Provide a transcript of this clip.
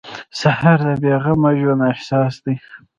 سهار د بې غمه ژوند احساس دی.